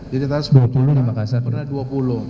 jadi pada sepuluh sepuluh di makassar pernah dua puluh juta